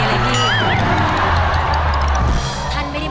มาเยือนทินกระวีและสวัสดี